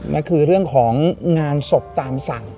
นั่นคือเรื่องของงานศพตามสั่ง